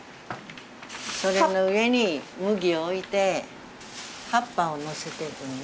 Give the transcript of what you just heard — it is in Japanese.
それの上に麦を置いて葉っぱをのせていくんですね。